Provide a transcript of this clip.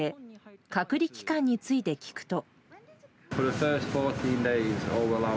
隔離期間について聞くと。